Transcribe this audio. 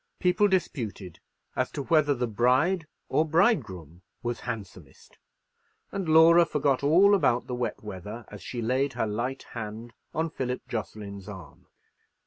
People disputed as to whether the bride or bridegroom was handsomest; and Laura forgot all about the wet weather as she laid her light hand on Philip Jocelyn's arm.